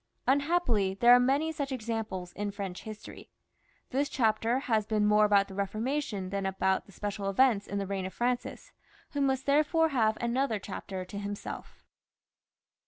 Unhappily, there are many such examples in French history. This chapter has been more about the Eeformation than about the special events in the reign of Francis, who must therefore have another chapter to himself.